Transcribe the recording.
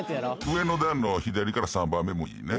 上の段の左から３番目もいいね。